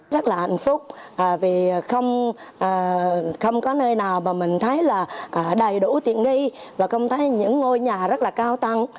rất là hạnh phúc vì không có nơi nào mà mình thấy là đầy đủ tiện nghi và không thấy những ngôi nhà rất là cao tăng